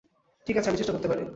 ঠিক আছে, আমি চেষ্টা করতে পারি।